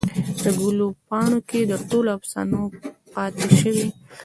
دګلو پاڼوکې دټولو افسانې پاته شوي